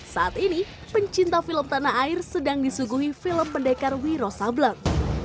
saat ini pencinta film tanah air sedang disuguhi film pendekar wiro sablet